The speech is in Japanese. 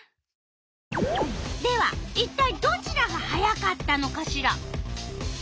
ではいったいどちらが速かったのかしら。